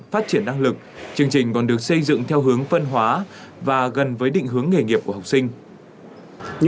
phát triển năng lực chương trình còn được xây dựng theo hướng phân hóa và gần với định hướng nghề nghiệp của học sinh